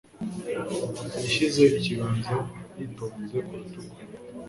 Yashyize ikiganza yitonze ku rutugu.